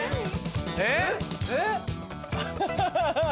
えっ？